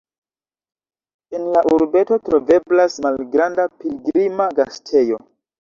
En la urbeto troveblas malgranda pilgrima gastejo.